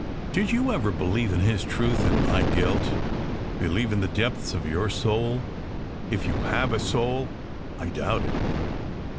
Did you ever believe in his truth and my guilt believe in the depths of your soul if you have a soul? I doubt it!